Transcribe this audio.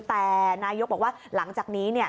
แต่นายกบอกว่าหลังจากนี้เนี่ย